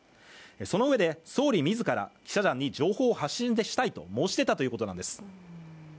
そのうえで、総理自ら記者団の情報を発信したいと申し出たということなんです。